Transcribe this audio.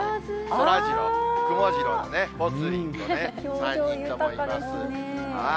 そらジローとくもジローとぽつリンとね、３人ともいます。